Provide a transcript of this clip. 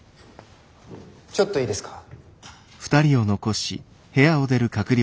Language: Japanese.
ちょっといいですか。